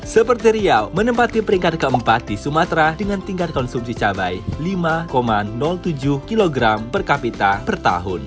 seperti riau menempati peringkat keempat di sumatera dengan tingkat konsumsi cabai lima tujuh kg per kapita per tahun